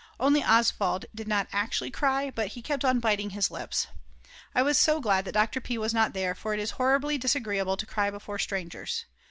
Only Oswald did not actually cry, but he kept on biting his lips. I was so glad that Dr. P. was not there, for it is horribly disagreeable to cry before strangers.